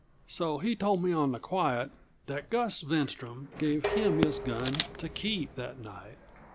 So he told me on the quiet that Gus Svenstrom gave him his gun to keep, that night.